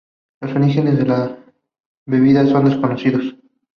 Los orígenes de la bebida son desconocidos.